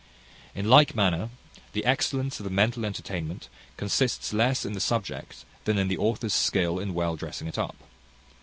In like manner, the excellence of the mental entertainment consists less in the subject than in the author's skill in well dressing it up.